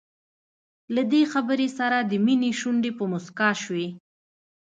له دې خبرې سره د مينې شونډې په مسکا شوې.